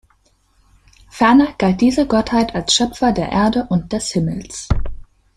Ferner galt diese Gottheit als Schöpfer der Erde und des Himmels.